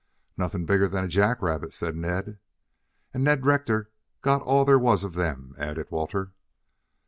"Nothing bigger than a jack rabbit," said Ned. "And Ned Rector got all there was of them," added Walter.